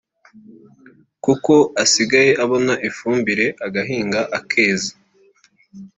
kuko asigaye abona ifumbire agahinga akeza